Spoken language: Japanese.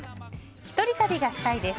１人旅がしたいです。